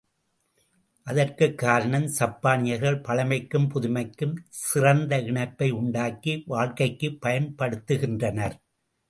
அத்ற்குக் காரணம் சப்பானியர்கள் பழைமைக்கும் புதுமைக்கும் சிறந்த இணைப்பை உண்டாக்கி வாழ்க்கைக்குப் பயன்படுத்துகின்றனர்.